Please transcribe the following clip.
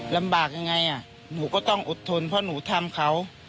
ลำบากยังไงหนูก็ต้องอดทนเพราะหนูทำเขา